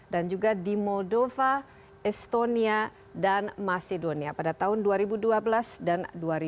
dan juga di moldova estonia dan macedonia pada tahun dua ribu dua belas dan dua ribu tiga belas